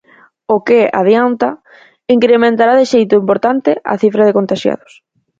O que, adianta, incrementará de xeito importante a cifra de contaxiados.